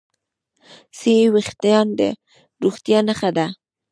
صحي وېښتيان د روغتیا نښه ده.